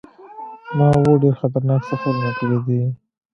ما اووه ډیر خطرناک سفرونه کړي دي.